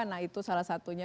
nah itu salah satunya